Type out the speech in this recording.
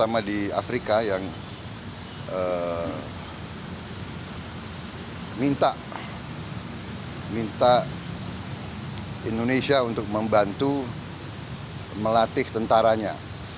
afrika yang minta indonesia untuk membantu melatih tentaranya